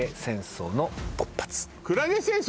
クラゲ戦争